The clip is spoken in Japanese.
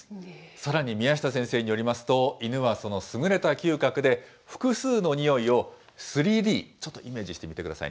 さらに宮下先生によりますと、犬はその優れた嗅覚で、複数の匂いを３Ｄ、ちょっとイメージしてみてください。